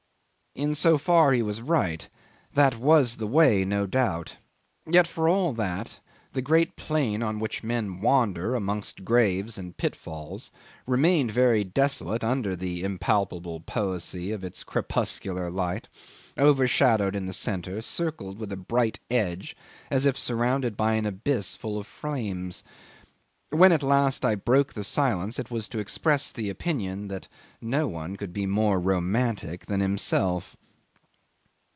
In so far he was right. That was the way, no doubt. Yet for all that, the great plain on which men wander amongst graves and pitfalls remained very desolate under the impalpable poesy of its crepuscular light, overshadowed in the centre, circled with a bright edge as if surrounded by an abyss full of flames. When at last I broke the silence it was to express the opinion that no one could be more romantic than himself.